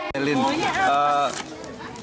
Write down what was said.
pemulihan trauma yang menyebabkan penyakit